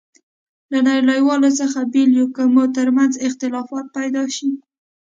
له نړیوالو څخه بېل یو، که مو ترمنځ اختلافات پيدا شي.